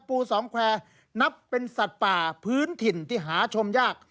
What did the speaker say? ปูสองแควร์นับเป็นสัตว์ป่าพื้นถิ่นที่หาชมยาก